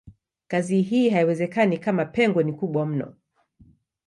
Kazi hii haiwezekani kama pengo ni kubwa mno.